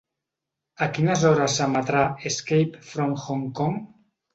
A quines hores s'emetrà Escape from Hong Kong?